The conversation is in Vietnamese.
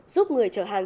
giúp người chở hàng